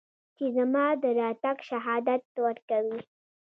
چې زما د راتګ شهادت ورکوي